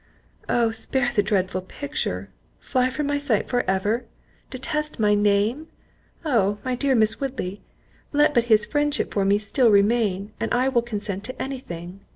"Oh spare the dreadful picture.—Fly from my sight for ever! Detest my name! Oh! my dear Miss Woodley, let but his friendship for me still remain, and I will consent to any thing.